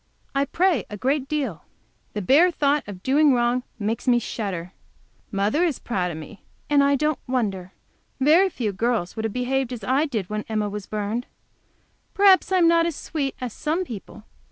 I pray a great deal. The bare thought of doing wrong makes me shudder. Mother is proud of me, and I don't wonder. Very few girls would have behaved as I did when Emma was burned. Perhaps I am not as sweet as some people.